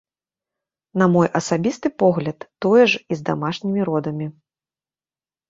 На мой асабісты погляд, тое ж і з дамашнімі родамі.